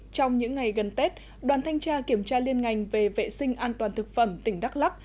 trong những ngày gần tết đoàn thanh tra kiểm tra liên ngành về vệ sinh an toàn thực phẩm tỉnh đắk lắc